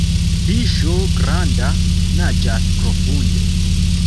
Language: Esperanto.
Fiŝo granda naĝas profunde.